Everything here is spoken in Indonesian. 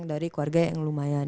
dari keluarga yang lumayan